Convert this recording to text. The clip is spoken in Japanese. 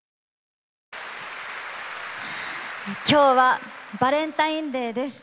今日はバレンタインデー。